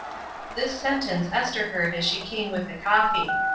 This sentence Esther heard as she came with the coffee.